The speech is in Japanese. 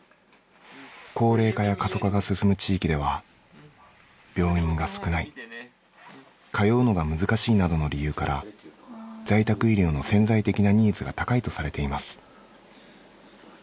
高齢化や過疎化が進む地域では「病院が少ない」「通うのが難しい」などの理由から在宅医療の潜在的なニーズが高いとされています。